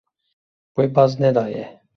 Wê baz nedaye.